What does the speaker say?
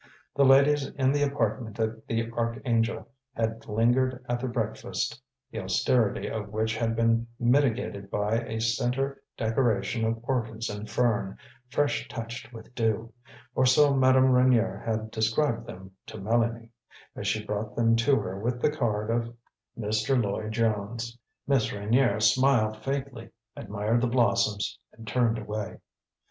The ladies in the apartment at the Archangel had lingered at their breakfast, the austerity of which had been mitigated by a center decoration of orchids and fern, fresh touched with dew; or so Madame Reynier had described them to Mélanie, as she brought them to her with the card of Mr. Lloyd Jones. Miss Reynier smiled faintly, admired the blossoms and turned away.